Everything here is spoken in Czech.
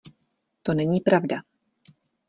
To není pravda.